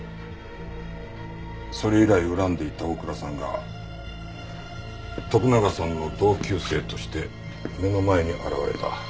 それ以来恨んでいた大倉さんが徳永さんの同級生として目の前に現れた。